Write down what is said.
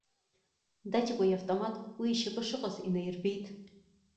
Даҭикәа иавтомат уи ишьапы шыҟаз инаирбеит.